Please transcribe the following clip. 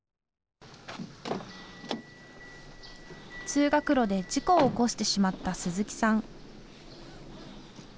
通学路で事故を起こしてしまった鈴木さん。